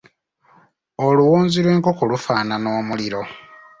Oluwonzi lw’enkoko lufaanana omuliro.